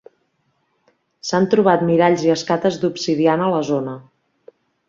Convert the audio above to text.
S'han trobat miralls i escates d'obsidiana a la zona.